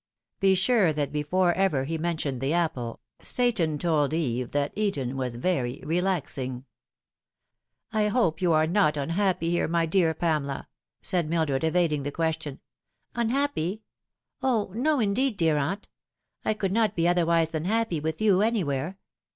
Be sure that before ever he mentioned the apple, Satan told Eve that Eden was very re laxing. " I hope you are not unhappy here, my dear Pamela ?" said Mildred, evading the question. " Unhappy ? O, no, indeed, dear aunt ? I could not be otherwise than happy with you anywhere.